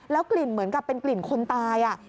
กลิ่นเหมือนกับเป็นกลิ่นคนตาย